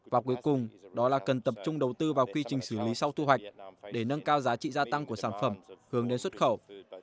và cuối cùng đó là cần tập trung đầu tư vào quy trình xử lý sau thu hoạch để nâng cao giá trị gia tăng của sản phẩm hướng đến xuất khẩu